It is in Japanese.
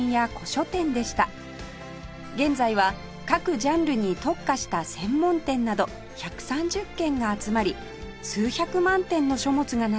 現在は各ジャンルに特化した専門店など１３０軒が集まり数百万点の書物が並びます